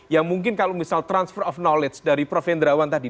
yang mungkin kalau misal transfer of knowledge dari prof hendrawan tadi